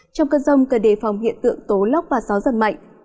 trong cơn rông cần đề phòng hiện tượng tố lốc và gió giật mạnh